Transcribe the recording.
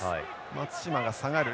松島が下がる。